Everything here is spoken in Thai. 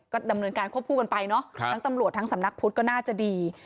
ก็ดำเนินการควบคู่กันไปเนาะทั้งตำรวจทั้งสำนักพุทธก็น่าจะดี